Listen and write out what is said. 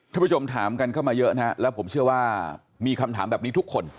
ผู้ชมถามกันเข้ามาเยอะนะฮะแล้วผมเชื่อว่ามีคำถามแบบนี้ทุกคน